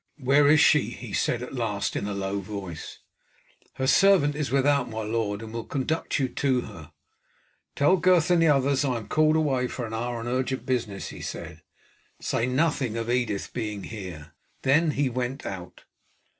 "Where is she?" he said at last in a low voice. "Her servant is without, my lord, and will conduct you to her." "Tell Gurth and the others I am called away for an hour on urgent business," he said. "Say nothing of Edith being here." Then he went out.